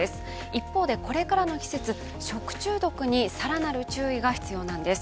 一方で、これからの季節食中毒に更なる注意が必要なんです。